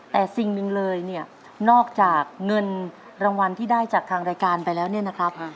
แต่สิ่งหนึ่งเลยเนี่ยนอกจากเงินรางวัลที่ได้จากทางรายการไปแล้วเนี่ยนะครับ